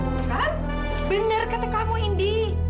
tuh kan bener kata kamu indi